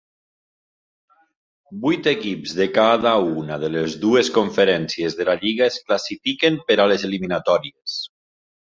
Vuit equips de cada una de les dues conferències de la lliga es classifiquen per a les eliminatòries.